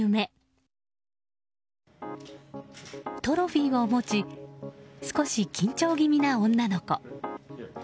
トロフィーを持ち少し緊張気味な女の子。